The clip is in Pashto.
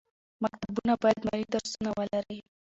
مکتبونه باید مالي درسونه ولري.